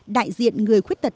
đại diện người khuyết tật